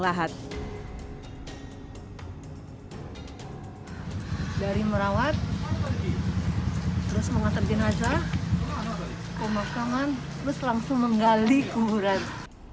lahat dari merawat terus mengantar jenazah pemakaman terus langsung menggali kuburan